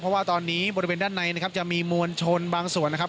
เพราะว่าตอนนี้บริเวณด้านในนะครับจะมีมวลชนบางส่วนนะครับ